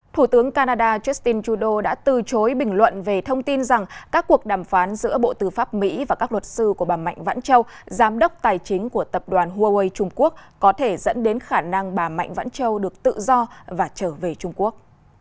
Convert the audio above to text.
thủ tướng canada justin trudeau đã từ chối bình luận về thông tin rằng các cuộc đàm phán giữa bộ tư pháp mỹ và các luật sư của bà mạnh vãn châu giám đốc tài chính của tập đoàn huawei trung quốc có thể dẫn đến khả năng bà mạnh vãn châu được tự do và trở về trung quốc